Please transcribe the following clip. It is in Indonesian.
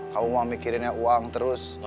kamu mikirin ya uang terus